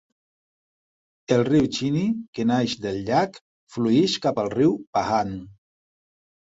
El riu Chini, que neix del llac, flueix cap al riu Pahang.